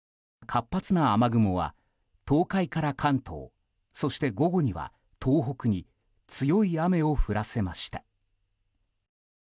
活発な雨雲は東海から関東そして午後には東北に強い雨を降らせました。